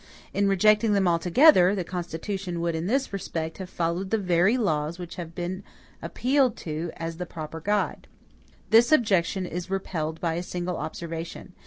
In rejecting them altogether, the Constitution would, in this respect, have followed the very laws which have been appealed to as the proper guide. "This objection is repelled by a single observation.